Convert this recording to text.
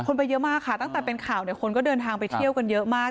ไปเยอะมากค่ะตั้งแต่เป็นข่าวเนี่ยคนก็เดินทางไปเที่ยวกันเยอะมาก